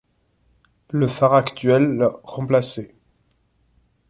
Le phare actuel l' remplacé.